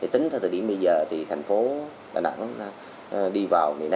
tính theo thời điểm bây giờ thành phố đà nẵng đi vào